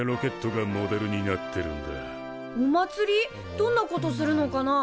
どんなことするのかな？